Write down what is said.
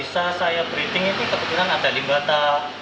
jenis yang bisa saya breeding ini kebetulan ada limbata